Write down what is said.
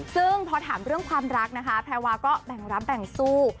ซึ่งพอถามเรื่องความรักนะคะแพรวาก็แบ่งรับแบ่งสู้